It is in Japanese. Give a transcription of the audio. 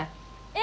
え！